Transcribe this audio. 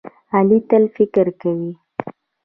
غلی، تل فکر کوي.